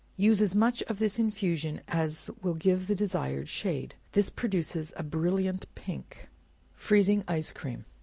Use as much of this infusion as will give the desired shade. This produces a brilliant pink color. Freezing Ice Cream.